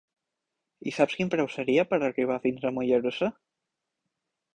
I saps quin preu seria per arribar fins a Mollerussa?